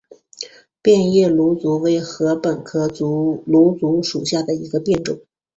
变叶芦竹为禾本科芦竹属下的一个变种。